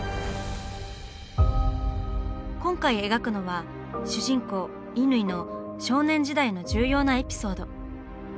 今回描くのは主人公・乾の少年時代の重要なエピソード。